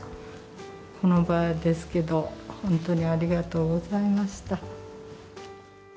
この場ですけど、本当にありがとうございました。